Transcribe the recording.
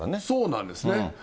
そうなんですね。